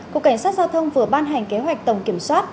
cục cảnh sát giao thông vừa ban hành kế hoạch tổng kiểm soát